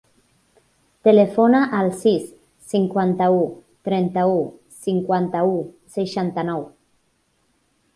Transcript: Telefona al sis, cinquanta-u, trenta-u, cinquanta-u, seixanta-nou.